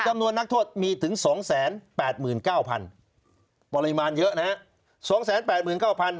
นักโทษมีถึง๒๘๙๐๐ปริมาณเยอะนะฮะ